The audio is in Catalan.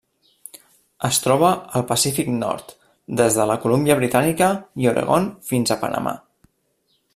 Es troba al Pacífic nord: des de la Colúmbia Britànica i Oregon fins a Panamà.